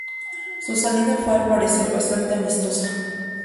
Su salida fue, al parecer, bastante amistosa.